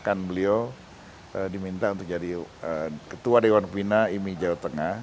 kan beliau diminta untuk jadi ketua dewan pina imi jawa tengah